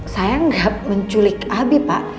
saya menculik abi pak